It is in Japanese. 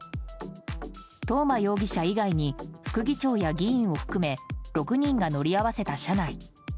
東間容疑者以外に副議長や議員を含め６人が乗り合わせた車内。